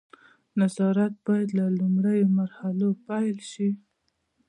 نظارت باید له لومړیو مرحلو پیل شي.